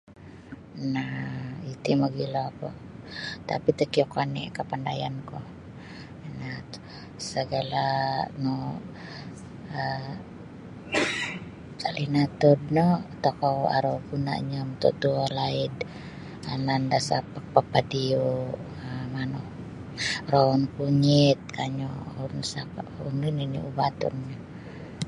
Nah iti mogilo ko tapi takiuk oni kapandaian ku um sagala nu um salinatud no tokou aru gunanyo matatuo laid anan da sapak bapadiu um manu roun kunyit kanyu sapak buli nini ubatunyo.